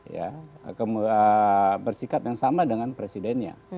seorang menteri ya bersikap yang sama dengan presidennya